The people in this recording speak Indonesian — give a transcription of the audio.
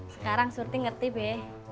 sekarang surti ngerti be